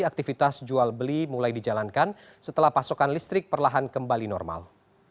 aktivitas jual beli mulai dijalankan setelah pasokan listrik perlahan kembali normal